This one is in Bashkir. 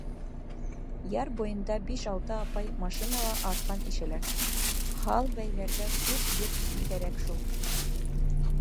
Яр буйында биш-алты апай машинала арҡан ишәләр, һал бәйләргә күп еп кәрәк шул.